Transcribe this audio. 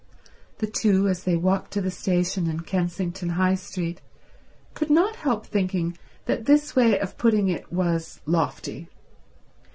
The two as they walked to the station in Kensington High Street could not help thinking that this way of putting it was lofty.